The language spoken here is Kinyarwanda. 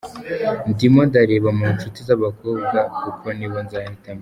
Ndimo ndareba mu nshuti z’abakobwa kuko nibo nzahitamo.